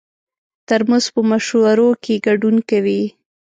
ترموز په مشورو کې ګډون کوي.